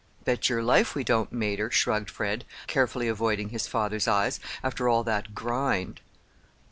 "Bet your life we don't, mater," shrugged Fred, carefully avoiding his father's eyes, "after all that grind."